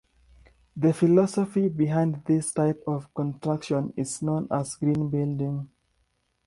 The philosophy behind this type of construction is known as green building.